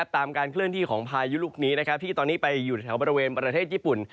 การเคลื่อนที่ของพายุลูกนี้ที่ตอนนี้ไปอยู่แถวบริเวณประเทศญี่ปุ่น